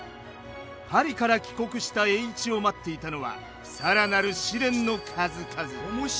パリから帰国した栄一を待っていたのは更なる試練の数々。